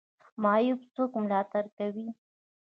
معیوب څوک ملاتړ کوي؟